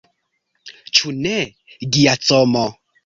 Ĉu ne, Giacomo?